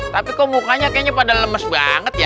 tapi kok mukanya kayaknya pada lemes banget ya